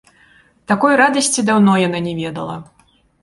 Такой радасці даўно яна не ведала.